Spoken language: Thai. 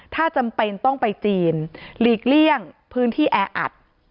ถ้าจำเป็นต้องไปจีนหลีกเลี่ยงพื้นที่แออัด